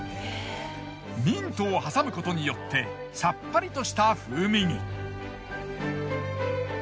ミントを挟むことによってさっぱりとした風味に。